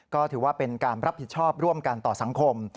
ก็ถือว่าเป็นการรับผิดชอบร่วมกันต่อสังคม